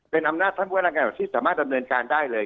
เป็นอำนาจท่านผู้ว่าราชการจังหวัดที่สามารถดำเนินการได้เลย